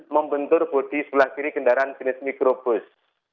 membentur bodi sebelah kiri kendaraan jenis mikrobus